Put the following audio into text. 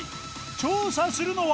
調査するのは！